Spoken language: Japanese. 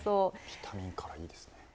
ビタミンカラーいいですね。